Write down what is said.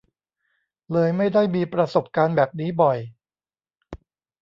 เลยไม่ได้มีประสบการณ์แบบนี้บ่อย